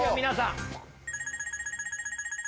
皆さん。